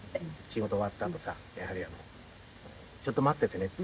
仕事終わったあとさちょっと待っててねって。